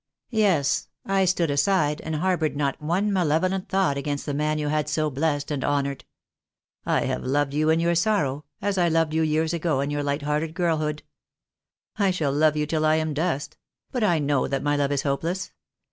Yes, I stood aside and haboured not one male volent thought against the man you had so blest and honoured. I have loved you in your sorrow, as I loved you years ago in your light hearted girlhood. I shall love The Day will come, II, 1 9 2 gO THE DAY WILL COME. you till I am dust; but I know that my love is hopeless.